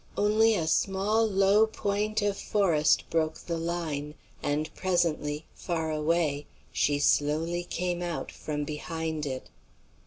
Only a small low point of forest broke the line, and presently, far away, she slowly came out from behind it.